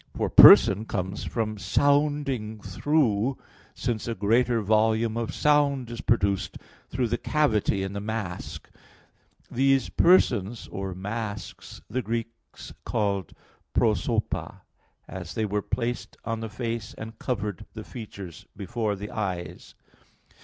For person comes from sounding through [personando], since a greater volume of sound is produced through the cavity in the mask. These "persons" or masks the Greeks called prosopa, as they were placed on the face and covered the features before the eyes."